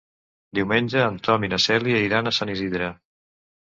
Diumenge en Tom i na Cèlia iran a Sant Isidre.